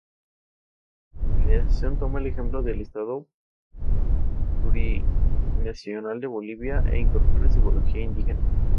La organización toma el ejemplo del Estado Plurinacional de Bolivia e incorpora simbología indígena.